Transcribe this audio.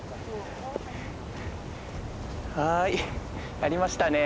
はいやりましたね。